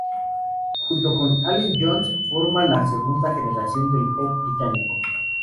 Junto con Allen Jones forma la segunda generación del Pop británico.